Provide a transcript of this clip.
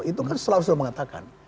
itu kan selalu sudah mengatakan